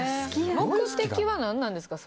目的は何なんですか？